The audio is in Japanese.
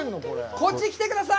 こっち来てください！